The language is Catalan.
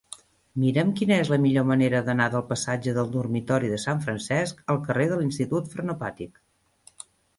Mira'm quina és la millor manera d'anar del passatge del Dormitori de Sant Francesc al carrer de l'Institut Frenopàtic.